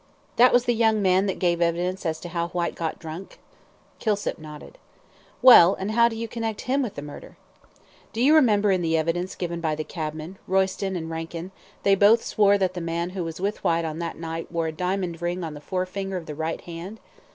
"That was the young man that gave evidence as to how Whyte got drunk?" Kilsip nodded. "Well, and how do you connect him with the murder?" "Do you remember in the evidence given by the cabmen, Royston and Rankin, they both swore that the man who was with Whyte on that night wore a diamond ring on the forefinger of the right hand?"